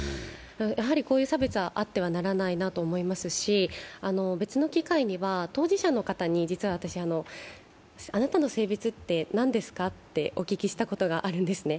やはりこういう差別はあってはならないと思いますし、別の機会には当事者の方にあなたの性別って何ですか？とお聞きしたことがあるんですね。